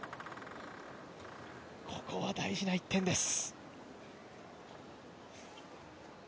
ここは大事な１点です。